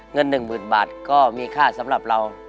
เงิน๑๐๐๐บาทก็มีค่าสำหรับเรา